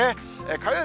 火曜日